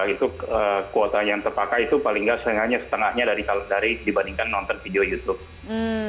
itu kuota yang terpakai itu paling tidak setengahnya dari dibandingkan menonton video youtube